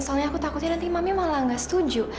soalnya aku takutnya nanti mami malah gak setuju